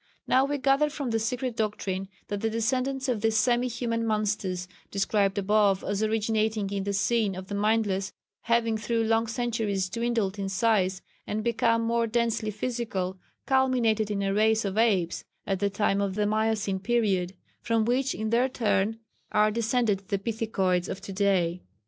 Now, we gather from the Secret Doctrine that the descendants of these semi human monsters described above as originating in the sin of the "mindless," having through long centuries dwindled in size and become more densely physical, culminated in a race of Apes at the time of the Miocene period, from which in their turn are descended the pithecoids of to day.